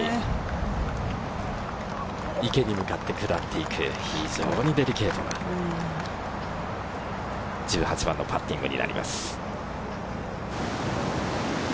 池に向かって下っていく、非常にデリケートな１８番のパッティングになります。